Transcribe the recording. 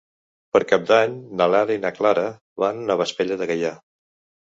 Per Cap d'Any na Lara i na Clara van a Vespella de Gaià.